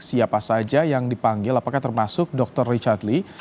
siapa saja yang dipanggil apakah termasuk dr richard lee